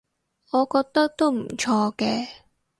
我覺得都唔錯嘅